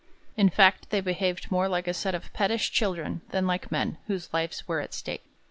In fact, they behaved more like a set of pettish children than like men, whose lives were at stake.